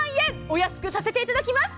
お安くさせていただきます。